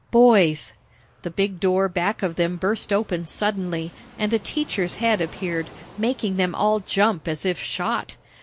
"Boys!" The big door back of them burst open suddenly, and a teacher's head appeared, making them all jump as if shot.